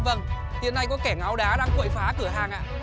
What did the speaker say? vâng hiện nay có kẻ ngáo đá đang cội phá cửa hàng ạ